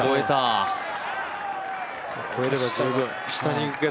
越えれば十分。